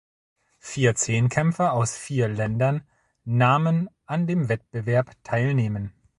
Vier Zehnkämpfer aus vier Ländern nahmen an dem Wettbewerb teilnehmen.